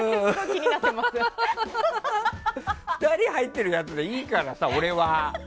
２人が入ってるやつでいいからさ。